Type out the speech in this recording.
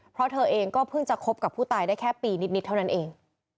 เพราะเธอเองก็เพิ่งจะคบกับผู้ตายได้แค่ปีนิดเท่านั้นเอง